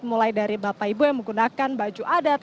mulai dari bapak ibu yang menggunakan baju adat